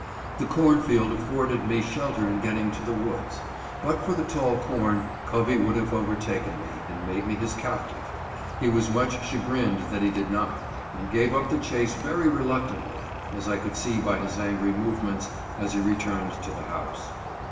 The cornfield afforded me shelter in get ting to the woods. But for the tall corn, Covey would have overtaken me, and made me his captive. He was much chagrined that he did not, and gave up the chase very reluctantly, as I could see by his angry movements, as he returned to the house.